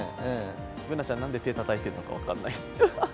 Ｂｏｏｎａちゃんなんで手たたいているのか、分からない。